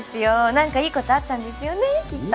なんかいい事あったんですよねきっと。